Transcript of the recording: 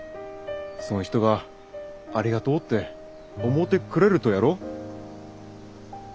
そん人はありがとうって思うてくれるとやろ？